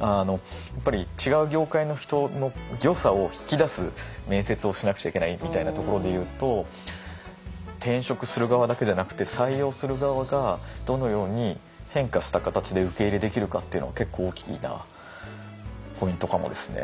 やっぱり違う業界の人の良さを引き出す面接をしなくちゃいけないみたいなところで言うと転職する側だけじゃなくて採用する側がどのように変化した形で受け入れできるかっていうのは結構大きなポイントかもですね。